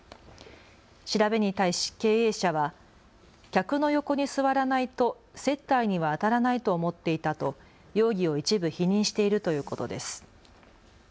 調べに対し経営者は客の横に座らないと接待にはあたらないと思っていたと容疑を一部否認しているということです。